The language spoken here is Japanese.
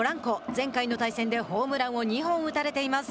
前回の対戦でホームランを２本打たれています。